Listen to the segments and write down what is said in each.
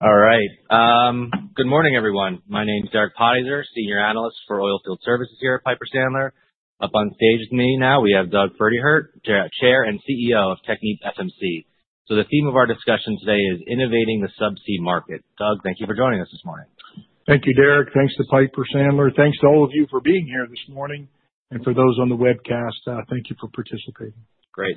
All right. Good morning, everyone. My name's Derek Podhaizer, Senior Analyst for Oilfield Services here at Piper Sandler. Up on stage with me now, we have Doug Pferdehirt, Chair and CEO of TechnipFMC. The theme of our discussion today is Innovating the Subsea Market. Doug, thank you for joining us this morning. Thank you, Derek. Thanks to Piper Sandler. Thanks to all of you for being here this morning. For those on the webcast, thank you for participating. Great.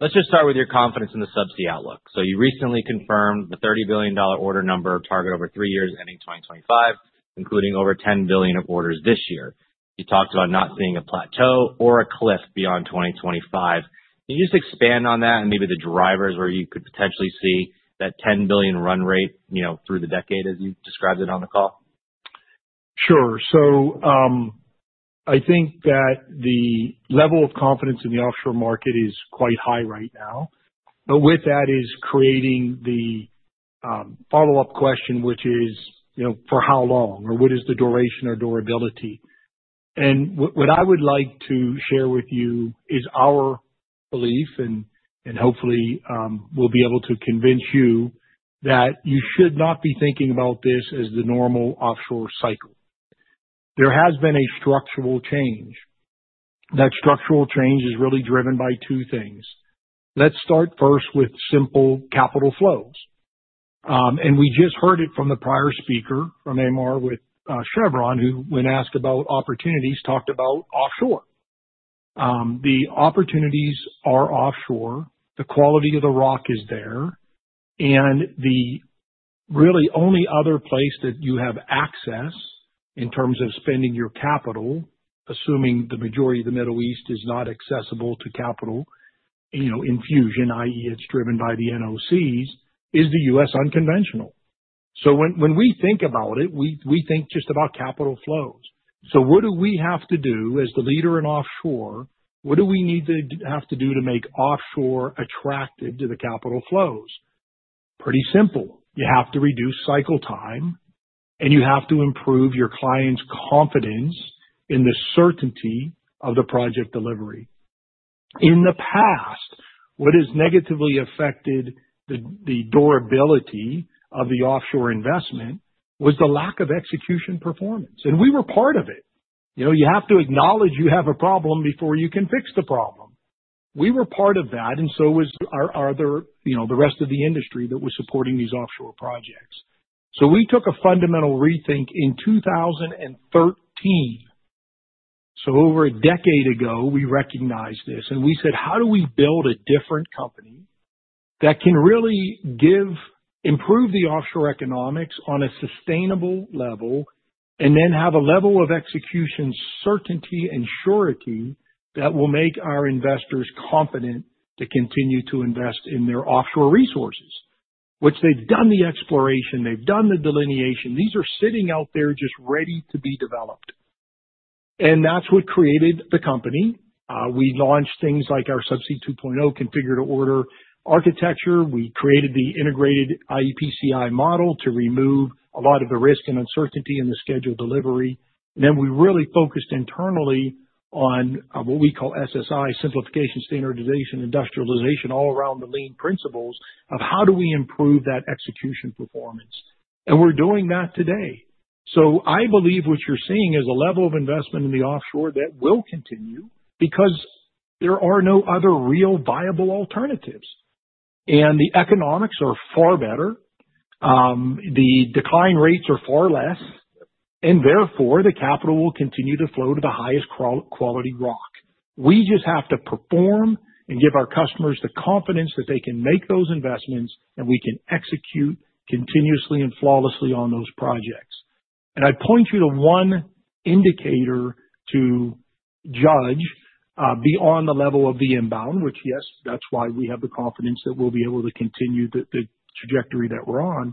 Let's just start with your confidence in the subsea outlook. You recently confirmed the $30 billion order number target over three years ending 2025, including over $10 billion of orders this year. You talked about not seeing a plateau or a cliff beyond 2025. Can you just expand on that and maybe the drivers where you could potentially see that $10 billion run rate through the decade, as you described it on the call? Sure. I think that the level of confidence in the offshore market is quite high right now. With that is creating the follow-up question, which is, for how long, or what is the duration or durability? What I would like to share with you is our belief, and hopefully, we will be able to convince you that you should not be thinking about this as the normal offshore cycle. There has been a structural change. That structural change is really driven by two things. Let's start first with simple capital flows. We just heard it from the prior speaker from AMR with Chevron, who, when asked about opportunities, talked about offshore. The opportunities are offshore. The quality of the rock is there. The really only other place that you have access in terms of spending your capital, assuming the majority of the Middle East is not accessible to capital infusion, i.e., it is driven by the NOCs, is the U.S. unconventional. When we think about it, we think just about capital flows. What do we have to do as the leader in offshore? What do we need to have to do to make offshore attractive to the capital flows? Pretty simple. You have to reduce cycle time, and you have to improve your client's confidence in the certainty of the project delivery. In the past, what has negatively affected the durability of the offshore investment was the lack of execution performance. We were part of it. You have to acknowledge you have a problem before you can fix the problem. We were part of that, and so was the rest of the industry that was supporting these offshore projects. We took a fundamental rethink in 2013. Over a decade ago, we recognized this. We said, "How do we build a different company that can really improve the offshore economics on a sustainable level and then have a level of execution certainty and surety that will make our investors confident to continue to invest in their offshore resources?" They've done the exploration. They've done the delineation. These are sitting out there just ready to be developed. That's what created the company. We launched things like our Subsea 2.0 configured to order architecture. We created the integrated iEPCI model to remove a lot of the risk and uncertainty in the scheduled delivery. We really focused internally on what we call SSI, Simplification, Standardization, Industrialization, all around the lean principles of how do we improve that execution performance. We're doing that today. I believe what you're seeing is a level of investment in the offshore that will continue because there are no other real viable alternatives. The economics are far better. The decline rates are far less. Therefore, the capital will continue to flow to the highest quality rock. We just have to perform and give our customers the confidence that they can make those investments, and we can execute continuously and flawlessly on those projects. I point you to one indicator to judge beyond the level of the inbound, which, yes, that's why we have the confidence that we'll be able to continue the trajectory that we're on.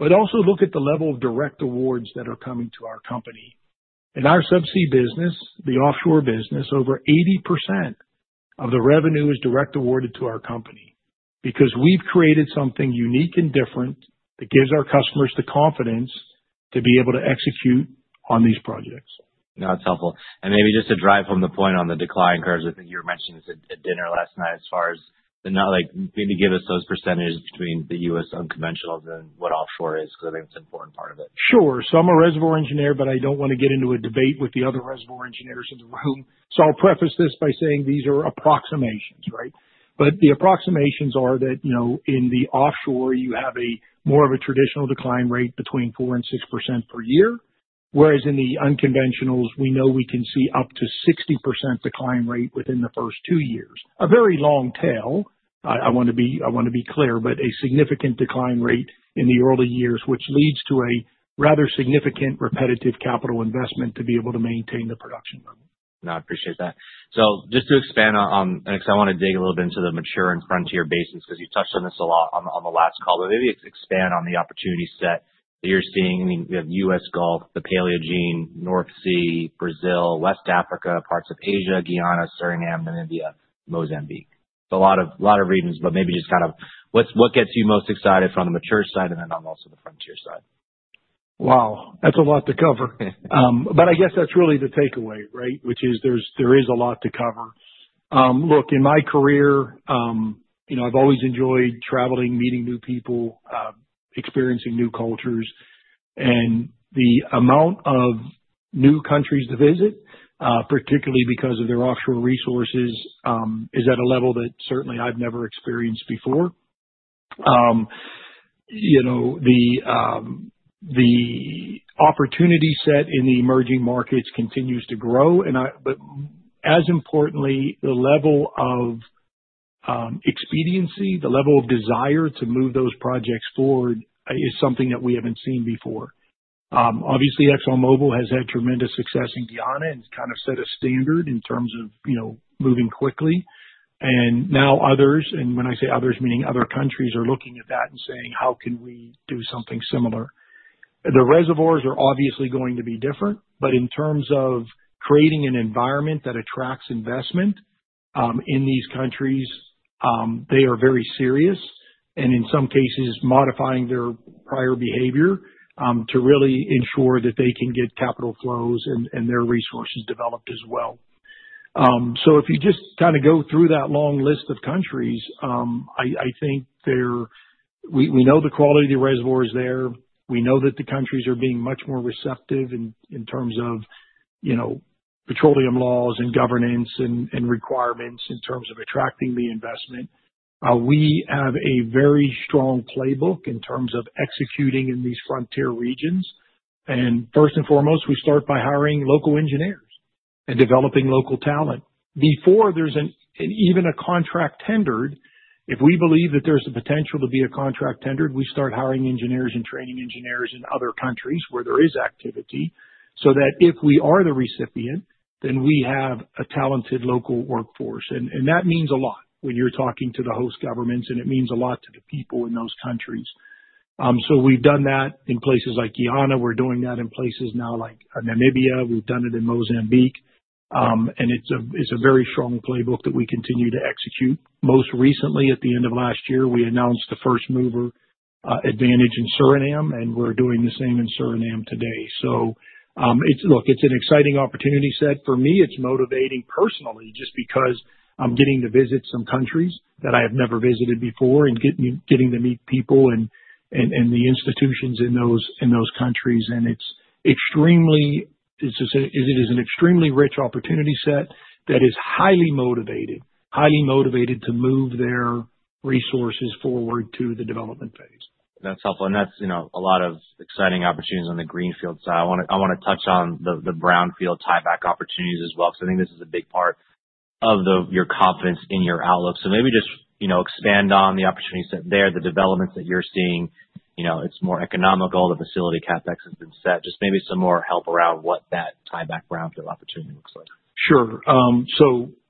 Also look at the level of direct awards that are coming to our company. In our subsea business, the offshore business, over 80% of the revenue is direct awarded to our company because we've created something unique and different that gives our customers the confidence to be able to execute on these projects. No, that's helpful. Maybe just to drive home the point on the decline curve, I think you were mentioning this at dinner last night as far as maybe give us those percentages between the U.S. unconventionals and what offshore is because I think it's an important part of it. Sure. I'm a reservoir engineer, but I don't want to get into a debate with the other reservoir engineers in the room. I'll preface this by saying these are approximations, right? The approximations are that in the offshore, you have more of a traditional decline rate between 4% and 6% per year, whereas in the unconventionals, we know we can see up to 60% decline rate within the first two years. A very long tail, I want to be clear, but a significant decline rate in the early years, which leads to a rather significant repetitive capital investment to be able to maintain the production level. No, I appreciate that. Just to expand on, because I want to dig a little bit into the mature and frontier basins because you touched on this a lot on the last call, but maybe expand on the opportunity set that you're seeing. I mean, we have U.S. Gulf, the Paleogene, North Sea, Brazil, West Africa, parts of Asia, Guyana, Suriname, Namibia, Mozambique. A lot of reasons, but maybe just kind of what gets you most excited from the mature side and then also the frontier side? Wow. That is a lot to cover. I guess that is really the takeaway, right, which is there is a lot to cover. Look, in my career, I have always enjoyed traveling, meeting new people, experiencing new cultures. The amount of new countries to visit, particularly because of their offshore resources, is at a level that certainly I have never experienced before. The opportunity set in the emerging markets continues to grow. As importantly, the level of expediency, the level of desire to move those projects forward is something that we have not seen before. Obviously, ExxonMobil has had tremendous success in Guyana and kind of set a standard in terms of moving quickly. Now others, and when I say others, meaning other countries, are looking at that and saying, "How can we do something similar?" The reservoirs are obviously going to be different. In terms of creating an environment that attracts investment in these countries, they are very serious and in some cases modifying their prior behavior to really ensure that they can get capital flows and their resources developed as well. If you just kind of go through that long list of countries, I think we know the quality of the reservoirs there. We know that the countries are being much more receptive in terms of petroleum laws and governance and requirements in terms of attracting the investment. We have a very strong playbook in terms of executing in these frontier regions. First and foremost, we start by hiring local engineers and developing local talent. Before there's even a contract tendered, if we believe that there's the potential to be a contract tendered, we start hiring engineers and training engineers in other countries where there is activity so that if we are the recipient, then we have a talented local workforce. That means a lot when you're talking to the host governments, and it means a lot to the people in those countries. We've done that in places like Guyana. We're doing that in places now like Namibia. We've done it in Mozambique. It's a very strong playbook that we continue to execute. Most recently, at the end of last year, we announced the first mover advantage in Suriname, and we're doing the same in Suriname today. Look, it's an exciting opportunity set. For me, it's motivating personally just because I'm getting to visit some countries that I have never visited before and getting to meet people and the institutions in those countries. It is an extremely rich opportunity set that is highly motivated, highly motivated to move their resources forward to the development phase. That's helpful. That's a lot of exciting opportunities on the greenfield side. I want to touch on the brownfield tieback opportunities as well because I think this is a big part of your confidence in your outlook. Maybe just expand on the opportunities there, the developments that you're seeing. It's more economical. The facility capex has been set. Maybe some more help around what that tieback brownfield opportunity looks like. Sure.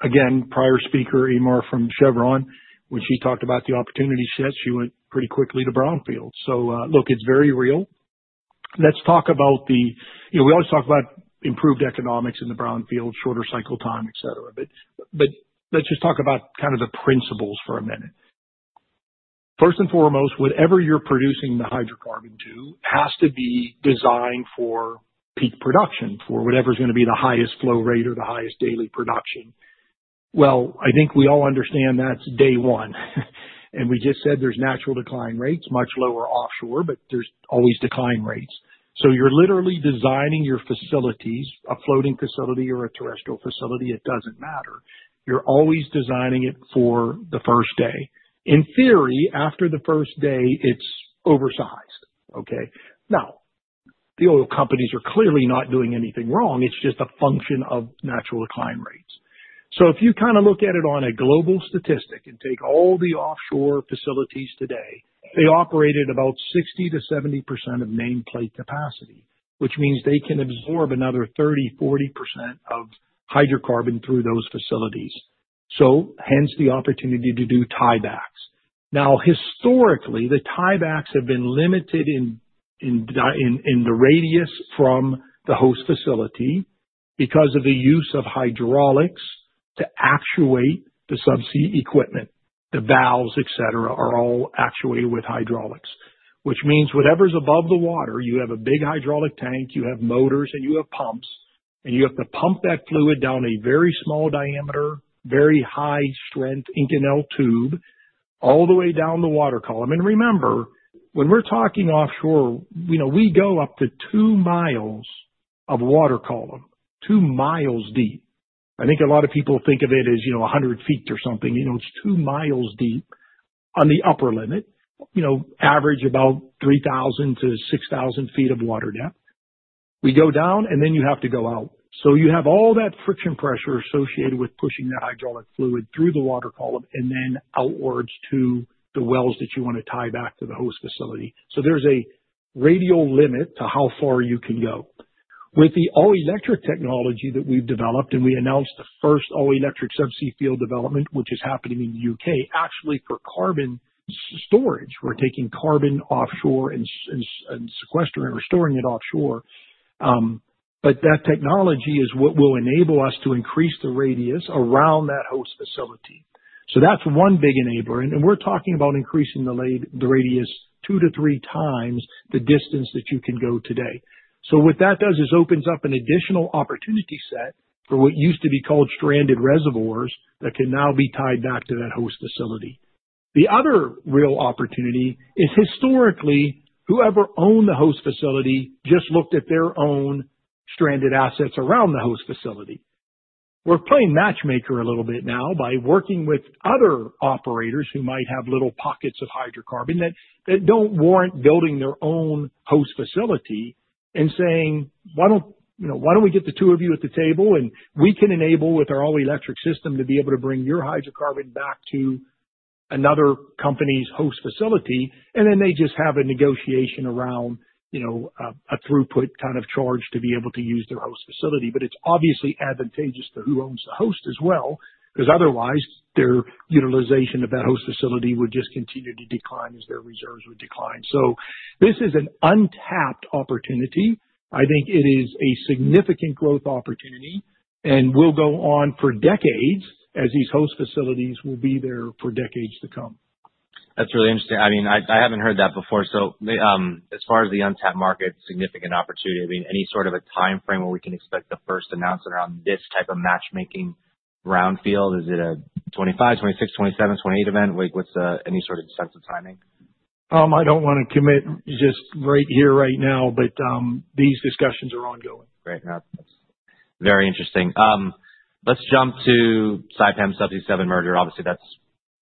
Again, prior speaker AMR from Chevron, when she talked about the opportunity set, she went pretty quickly to brownfield. Look, it's very real. Let's talk about the—we always talk about improved economics in the brownfield, shorter cycle time, etc. Let's just talk about kind of the principles for a minute. First and foremost, whatever you're producing the hydrocarbon to has to be designed for peak production for whatever's going to be the highest flow rate or the highest daily production. I think we all understand that's day one. We just said there's natural decline rates, much lower offshore, but there's always decline rates. You're literally designing your facilities, a floating facility or a terrestrial facility, it doesn't matter. You're always designing it for the first day. In theory, after the first day, it's oversized. Okay? Now, the oil companies are clearly not doing anything wrong. It's just a function of natural decline rates. If you kind of look at it on a global statistic and take all the offshore facilities today, they operate at about 60%-70% of nameplate capacity, which means they can absorb another 30%, 40% of hydrocarbon through those facilities. Hence the opportunity to do tiebacks. Historically, the tiebacks have been limited in the radius from the host facility because of the use of hydraulics to actuate the subsea equipment. The valves, etc., are all actuated with hydraulics, which means whatever's above the water, you have a big hydraulic tank, you have motors, and you have pumps, and you have to pump that fluid down a very small diameter, very high-strength Inconel tube all the way down the water column. Remember, when we're talking offshore, we go up to 2 miles of water column, 2 miles deep. I think a lot of people think of it as 100 feet or something. It's 2 miles deep on the upper limit, average about 3,000 ft-6,000 ft of water depth. We go down, and then you have to go out. You have all that friction pressure associated with pushing that hydraulic fluid through the water column and then outwards to the wells that you want to tie back to the host facility. There is a radial limit to how far you can go. With the All-electric technology that we've developed, and we announced the first All-electric subsea field development, which is happening in the U.K., actually for carbon storage. We're taking carbon offshore and sequestering or storing it offshore. That technology is what will enable us to increase the radius around that host facility. That is one big enabler. We are talking about increasing the radius two to three times the distance that you can go today. What that does is open up an additional opportunity set for what used to be called stranded reservoirs that can now be tied back to that host facility. The other real opportunity is historically, whoever owned the host facility just looked at their own stranded assets around the host facility. We are playing matchmaker a little bit now by working with other operators who might have little pockets of hydrocarbon that do not warrant building their own host facility and saying, "Why do we not get the two of you at the table? We can enable with our All-electric system to be able to bring your hydrocarbon back to another company's host facility. They just have a negotiation around a throughput kind of charge to be able to use their host facility. It is obviously advantageous to who owns the host as well because otherwise, their utilization of that host facility would just continue to decline as their reserves would decline. This is an untapped opportunity. I think it is a significant growth opportunity and will go on for decades as these host facilities will be there for decades to come. That's really interesting. I mean, I haven't heard that before. As far as the untapped market, significant opportunity. I mean, any sort of a timeframe where we can expect the first announcement around this type of matchmaking brownfield? Is it a 2025, 2026, 2027, 2028 event? Any sort of sense of timing? I don't want to commit just right here right now, but these discussions are ongoing. Great. No, that's very interesting. Let's jump to Saipem-Subsea7 merger. Obviously, that's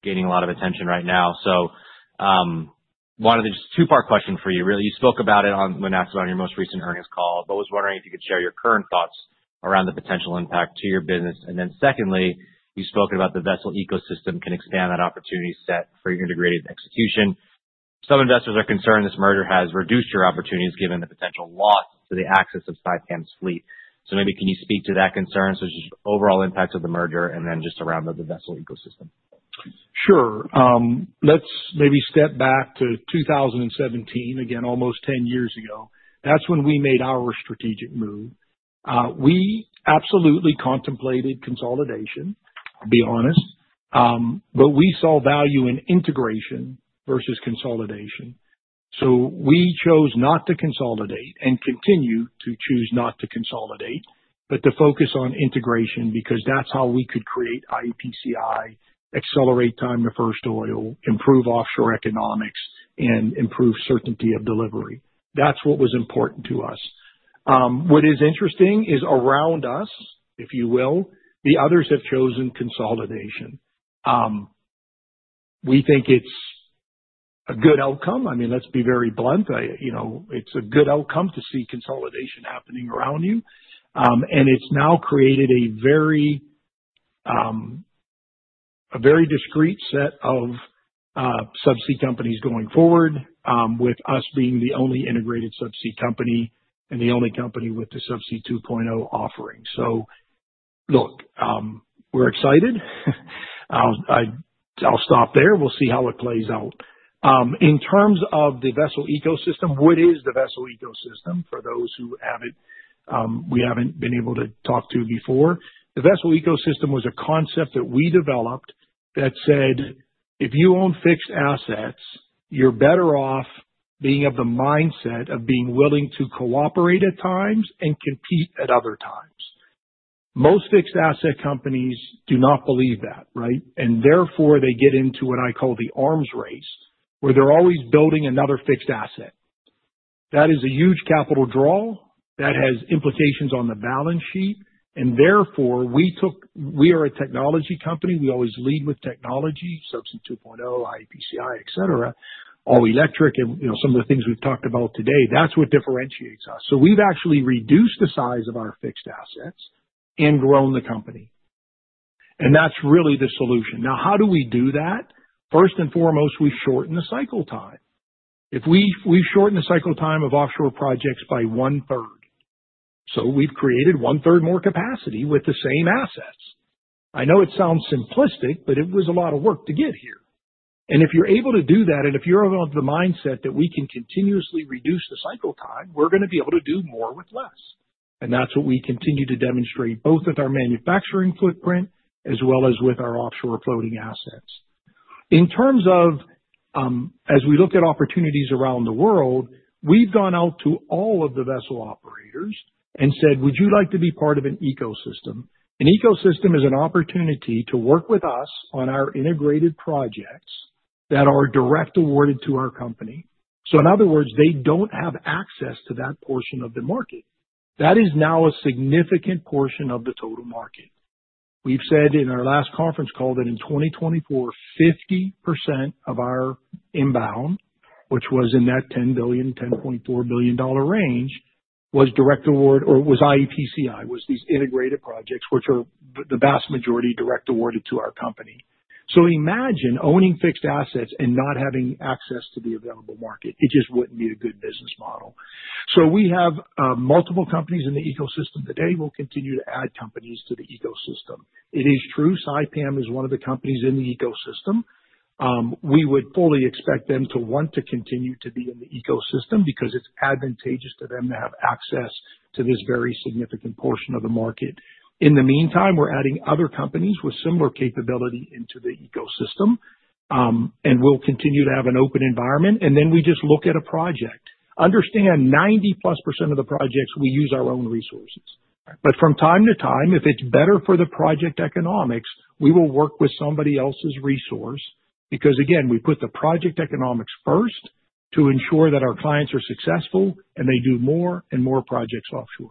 gaining a lot of attention right now. One of the two-part question for you, really. You spoke about it when asked about your most recent earnings call, but was wondering if you could share your current thoughts around the potential impact to your business. Then secondly, you spoke about the vessel ecosystem, can you expand that opportunity set for your integrated execution. Some investors are concerned this merger has reduced your opportunities given the potential loss to the access of Saipem's fleet. Maybe can you speak to that concern, such as overall impact of the merger and then just around the vessel ecosystem? Sure. Let's maybe step back to 2017, again, almost 10 years ago. That's when we made our strategic move. We absolutely contemplated consolidation, I'll be honest, but we saw value in integration versus consolidation. We chose not to consolidate and continue to choose not to consolidate, but to focus on integration because that's how we could create iEPCI, accelerate time to first oil, improve offshore economics, and improve certainty of delivery. That's what was important to us. What is interesting is around us, if you will, the others have chosen consolidation. I mean, let's be very blunt. It's a good outcome to see consolidation happening around you. It has now created a very discreet set of subsea companies going forward with us being the only integrated subsea company and the only company with the Subsea 2.0 offering. Look, we're excited. I'll stop there. We'll see how it plays out. In terms of the vessel ecosystem, what is the vessel ecosystem for those who we haven't been able to talk to before? The vessel ecosystem was a concept that we developed that said, "If you own fixed assets, you're better off being of the mindset of being willing to cooperate at times and compete at other times." Most fixed asset companies do not believe that, right? They get into what I call the arms race where they're always building another fixed asset. That is a huge capital draw that has implications on the balance sheet. We are a technology company. We always lead with technology, Subsea 2.0, iEPCI, All-electric, and some of the things we've talked about today. That's what differentiates us. We've actually reduced the size of our fixed assets and grown the company. That is really the solution. Now, how do we do that? First and foremost, we shorten the cycle time. We have shortened the cycle time of offshore projects by 0.3. We have created 0.3 more capacity with the same assets. I know it sounds simplistic, but it was a lot of work to get here. If you are able to do that, and if you are of the mindset that we can continuously reduce the cycle time, we are going to be able to do more with less. That is what we continue to demonstrate both with our manufacturing footprint as well as with our offshore floating assets. In terms of, as we look at opportunities around the world, we've gone out to all of the vessel operators and said, "Would you like to be part of an ecosystem?" An ecosystem is an opportunity to work with us on our integrated projects that are direct awarded to our company. In other words, they do not have access to that portion of the market. That is now a significant portion of the total market. We have said in our last conference call that in 2024, 50% of our inbound, which was in that $10 billion-$10.4 billion range, was direct award or was iEPCI, was these integrated projects, which are the vast majority direct awarded to our company. Imagine owning fixed assets and not having access to the available market. It just would not be a good business model. We have multiple companies in the ecosystem today. We'll continue to add companies to the ecosystem. It is true. Saipem is one of the companies in the ecosystem. We would fully expect them to want to continue to be in the ecosystem because it's advantageous to them to have access to this very significant portion of the market. In the meantime, we're adding other companies with similar capability into the ecosystem, and we'll continue to have an open environment. We just look at a project. Understand, 90%+ of the projects, we use our own resources. From time to time, if it's better for the project economics, we will work with somebody else's resource because, again, we put the project economics first to ensure that our clients are successful and they do more and more projects offshore.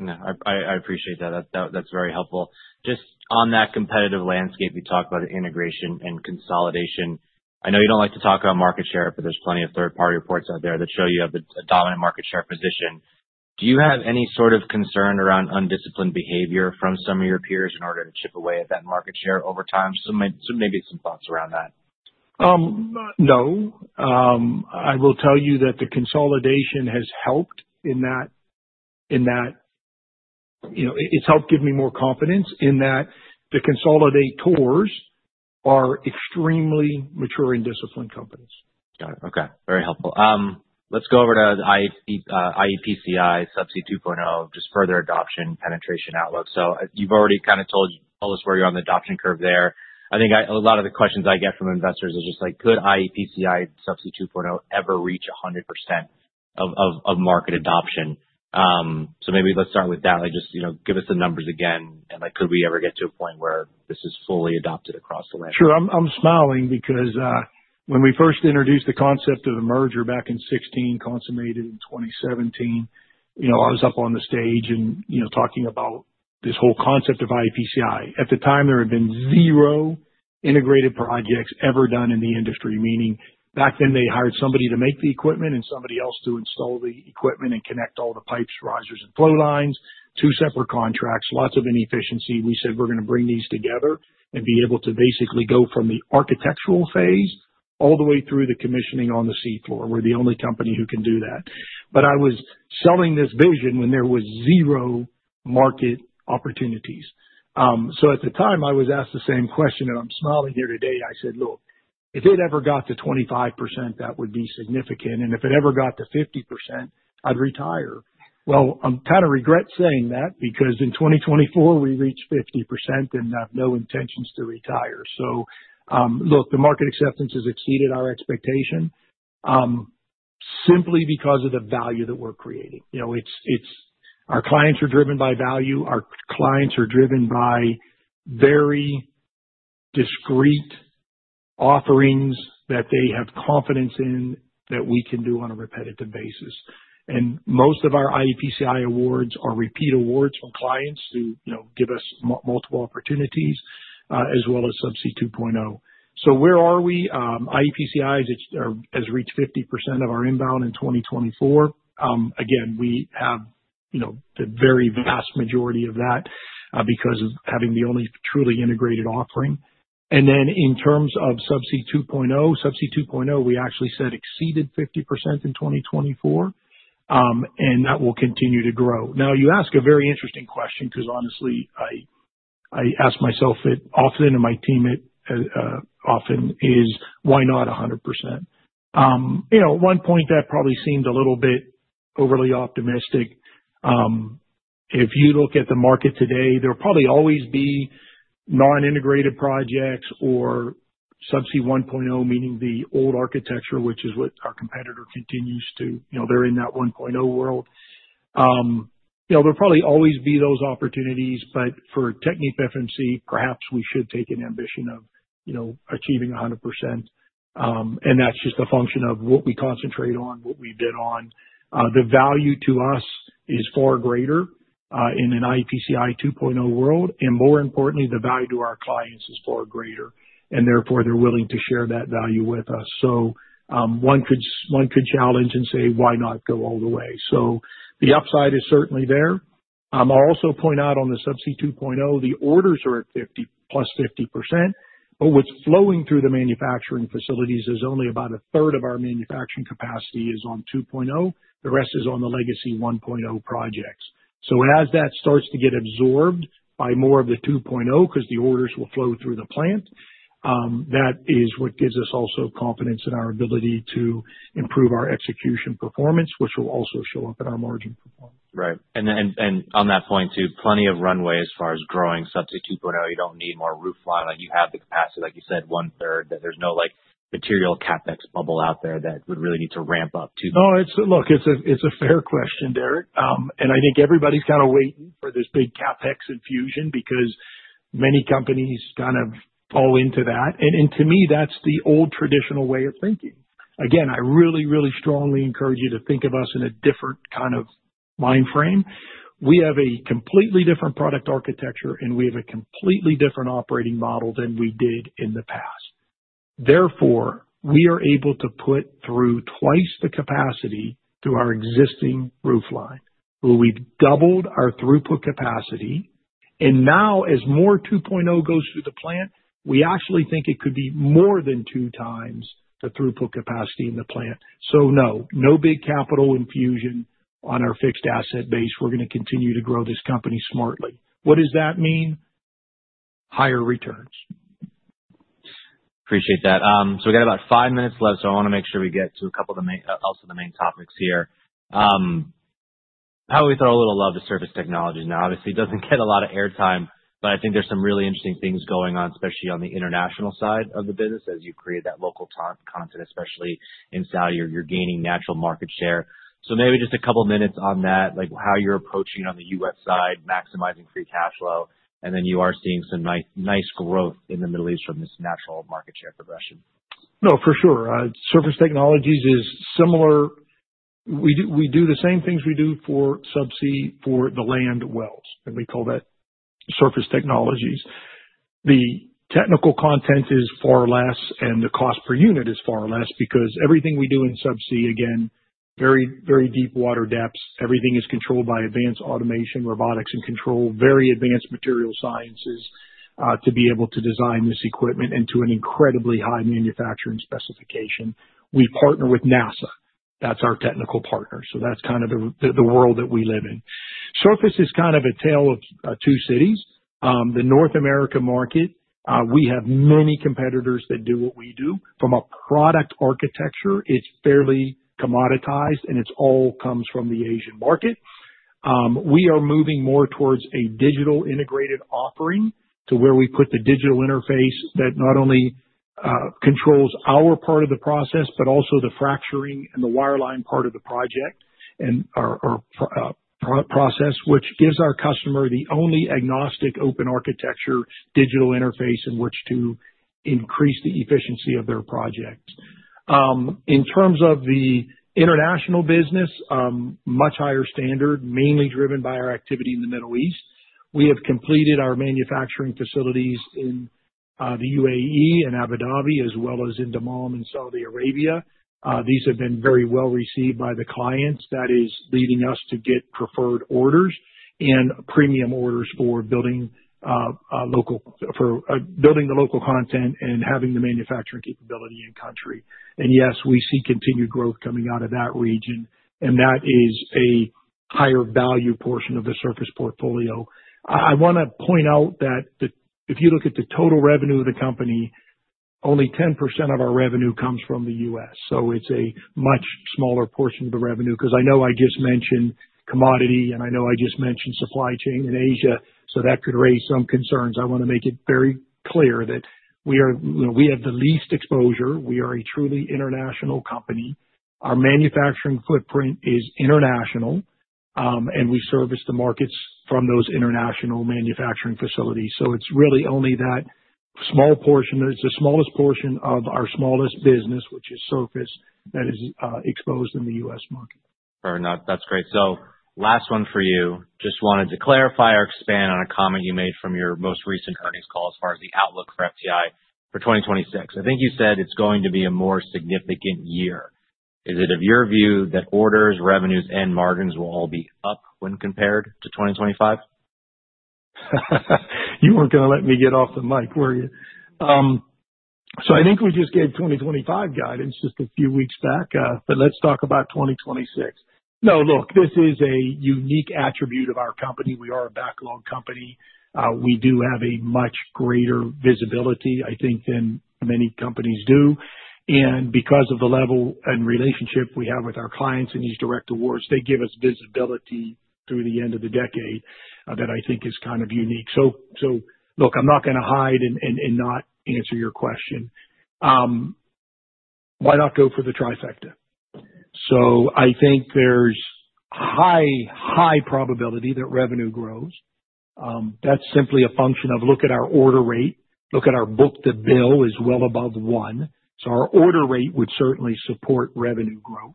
Yeah. I appreciate that. That's very helpful. Just on that competitive landscape, you talk about integration and consolidation. I know you don't like to talk about market share, but there's plenty of third-party reports out there that show you have a dominant market share position. Do you have any sort of concern around undisciplined behavior from some of your peers in order to chip away at that market share over time? Maybe some thoughts around that. No. I will tell you that the consolidation has helped in that it's helped give me more confidence in that the consolidators are extremely mature and disciplined companies. Got it. Okay. Very helpful. Let's go over to iEPCI, Subsea 2.0, just further adoption penetration outlook. You have already kind of told us where you are on the adoption curve there. I think a lot of the questions I get from investors is just like, "Could iEPCI Subsea 2.0 ever reach 100% of market adoption?" Maybe let's start with that. Just give us the numbers again, and could we ever get to a point where this is fully adopted across the land? Sure. I'm smiling because when we first introduced the concept of the merger back in 2016, consummated in 2017, I was up on the stage and talking about this whole concept of iEPCI. At the time, there had been zero integrated projects ever done in the industry, meaning back then they hired somebody to make the equipment and somebody else to install the equipment and connect all the pipes, risers, and flow lines. Two separate contracts, lots of inefficiency. We said, "We're going to bring these together and be able to basically go from the architectural phase all the way through the commissioning on the sea floor." We're the only company who can do that. I was selling this vision when there was zero market opportunities. At the time, I was asked the same question, and I'm smiling here today. I said, "Look, if it ever got to 25%, that would be significant. If it ever got to 50%, I'd retire." I kind of regret saying that because in 2024, we reached 50% and have no intentions to retire. Look, the market acceptance has exceeded our expectation simply because of the value that we're creating. Our clients are driven by value. Our clients are driven by very discreet offerings that they have confidence in that we can do on a repetitive basis. Most of our iEPCI awards are repeat awards from clients who give us multiple opportunities as well as Subsea 2.0. Where are we? iEPCI has reached 50% of our inbound in 2024. Again, we have the very vast majority of that because of having the only truly integrated offering. In terms of Subsea 2.0, Subsea 2.0, we actually said exceeded 50% in 2024, and that will continue to grow. You ask a very interesting question because honestly, I ask myself it often, and my team often is, "Why not 100%?" At one point, that probably seemed a little bit overly optimistic. If you look at the market today, there will probably always be non-integrated projects or Subsea 1.0, meaning the old architecture, which is what our competitor continues to—they're in that 1.0 world. There will probably always be those opportunities, but for TechnipFMC, perhaps we should take an ambition of achieving 100%. That is just a function of what we concentrate on, what we bid on. The value to us is far greater in an iEPCI 2.0 world, and more importantly, the value to our clients is far greater, and therefore, they're willing to share that value with us. One could challenge and say, "Why not go all the way?" The upside is certainly there. I'll also point out on the Subsea 2.0, the orders are at 50%+, but what's flowing through the manufacturing facilities is only about a third of our manufacturing capacity is on 2.0. The rest is on the legacy 1.0 projects. As that starts to get absorbed by more of the 2.0 because the orders will flow through the plant, that is what gives us also confidence in our ability to improve our execution performance, which will also show up in our margin performance. Right. On that point too, plenty of runway as far as growing Subsea 2.0. You do not need more roof line. You have the capacity, like you said, 1/3, that there is no material CapEx bubble out there that would really need to ramp up to. No, look, it's a fair question, Derek. I think everybody's kind of waiting for this big CapEx infusion because many companies kind of fall into that. To me, that's the old traditional way of thinking. I really, really strongly encourage you to think of us in a different kind of mind frame. We have a completely different product architecture, and we have a completely different operating model than we did in the past. Therefore, we are able to put through twice the capacity through our existing roof line. We've doubled our throughput capacity. Now, as more 2.0 goes through the plant, we actually think it could be more than 2 mi the throughput capacity in the plant. No big capital infusion on our fixed asset base. We're going to continue to grow this company smartly. What does that mean? Higher returns. Appreciate that. We got about five minutes left, so I want to make sure we get to a couple of the main topics here. How do we throw a little love to Survice Technologies? Now, obviously, it does not get a lot of airtime, but I think there are some really interesting things going on, especially on the international side of the business as you create that local content, especially in Saudi. You are gaining natural market share. Maybe just a couple of minutes on that, how you are approaching it on the U.S. side, maximizing free cash flow, and then you are seeing some nice growth in the Middle East from this natural market share progression. No, for sure. Surface Technologies is similar. We do the same things we do for subsea for the land wells, and we call that Surface Technologies. The technical content is far less, and the cost per unit is far less because everything we do in subsea, again, very deep water depths, everything is controlled by advanced automation, robotics, and control, very advanced material sciences to be able to design this equipment into an incredibly high manufacturing specification. We partner with NASA. That's our technical partner. So that's kind of the world that we live in. Surface is kind of a tale of two cities. The North America market, we have many competitors that do what we do. From a product architecture, it's fairly commoditized, and it all comes from the Asian market. We are moving more towards a digital integrated offering to where we put the digital interface that not only controls our part of the process, but also the fracturing and the wireline part of the project and our process, which gives our customer the only agnostic open architecture digital interface in which to increase the efficiency of their projects. In terms of the international business, much higher standard, mainly driven by our activity in the Middle East. We have completed our manufacturing facilities in the UAE and Abu Dhabi as well as in Dammam in Saudi Arabia. These have been very well received by the clients. That is leading us to get preferred orders and premium orders for building the local content and having the manufacturing capability in-country. Yes, we see continued growth coming out of that region, and that is a higher value portion of the surface portfolio. I want to point out that if you look at the total revenue of the company, only 10% of our revenue comes from the U.S. It is a much smaller portion of the revenue because I know I just mentioned commodity, and I know I just mentioned supply chain in Asia, so that could raise some concerns. I want to make it very clear that we have the least exposure. We are a truly international company. Our manufacturing footprint is international, and we service the markets from those international manufacturing facilities. It is really only that small portion. It is the smallest portion of our smallest business, which is surface, that is exposed in the U.S. market. Fair enough. That's great. Last one for you. Just wanted to clarify or expand on a comment you made from your most recent earnings call as far as the outlook for FTI for 2026. I think you said it's going to be a more significant year. Is it your view that orders, revenues, and margins will all be up when compared to 2025? You were not going to let me get off the mic, were you? I think we just gave 2025 guidance just a few weeks back, but let's talk about 2026. No, look, this is a unique attribute of our company. We are a backlog company. We do have a much greater visibility, I think, than many companies do. Because of the level and relationship we have with our clients in these direct awards, they give us visibility through the end of the decade that I think is kind of unique. I am not going to hide and not answer your question. Why not go for the trifecta? I think there is high, high probability that revenue grows. That is simply a function of look at our order rate. Look at our book-to-bill is well above one. Our order rate would certainly support revenue growth.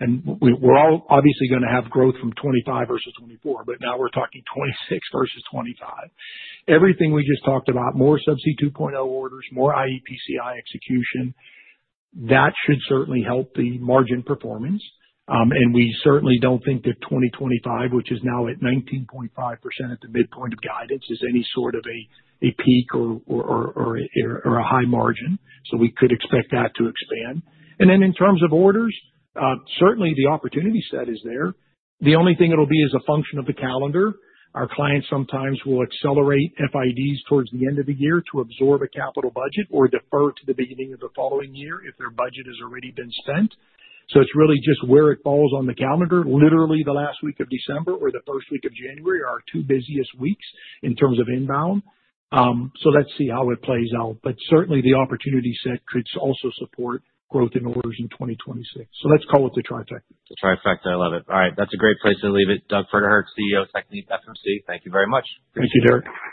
We're obviously going to have growth from 2025 versus 2024, but now we're talking 2026 versus 2025. Everything we just talked about, more Subsea 2.0 orders, more iEPCI execution, that should certainly help the margin performance. We certainly don't think that 2025, which is now at 19.5% at the midpoint of guidance, is any sort of a peak or a high margin. We could expect that to expand. In terms of orders, certainly the opportunity set is there. The only thing it'll be is a function of the calendar. Our clients sometimes will accelerate FIDs towards the end of the year to absorb a capital budget or defer to the beginning of the following year if their budget has already been spent. It's really just where it falls on the calendar. Literally, the last week of December or the first week of January are our two busiest weeks in terms of inbound. Let's see how it plays out. Certainly, the opportunity set could also support growth in orders in 2026. Let's call it the trifecta. The trifecta. I love it. All right. That's a great place to leave it. Doug Pferdehirt, CEO, TechnipFMC. Thank you very much. Thank you, Derek.